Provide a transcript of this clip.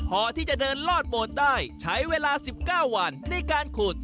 พอที่จะเดินลอดโบสถ์ได้ใช้เวลา๑๙วันในการขุด